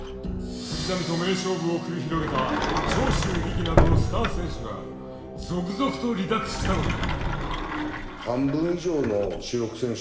藤波と名勝負を繰り広げた長州力などのスター選手が続々と離脱したのだ。